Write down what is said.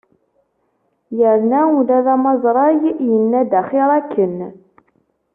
Yerna ula d amaẓrag, yenna-d axir akken.